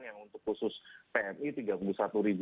yang untuk khusus pmi tiga puluh satu ribu